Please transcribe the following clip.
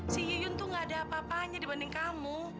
si yuyun tuh gak ada apa apanya dibanding kamu